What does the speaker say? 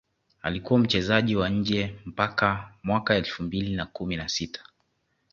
alikuwa mchezaji wa nje mpaka Mwaka elfu mbili na kumi na sita